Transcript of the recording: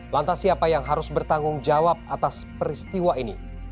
lantas siapa yang harus bertanggung jawab atas peristiwa ini